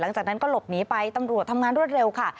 หลังจากนั้นก็หลบหนีไปตำรวจทำงานรวดเร็วค่ะ